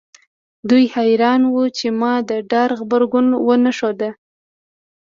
دوی حیران وو چې ما د ډار غبرګون ونه ښود